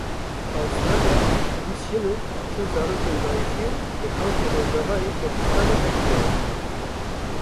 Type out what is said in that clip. Awistraliya bîst jin û çil zarokên Daişî li kampên Rojavayê Kurdistanê vedigerîne.